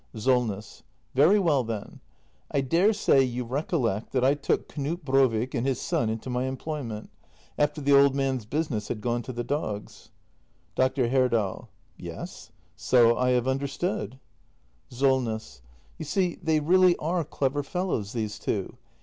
SOLNESS. Very well then. I daresay you recollect that I took Knut Brovik and his son into my employment — after the old man's business had gone to the dogs. Dr. Herdal. Yes, so I have understood. SOLNESS. You see, they really are clever fellows, these two.